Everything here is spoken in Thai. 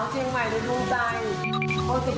สวัสดีค่ะ